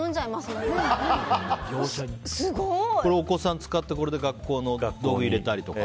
お子さん使ってこれに学校の道具入れたりとか。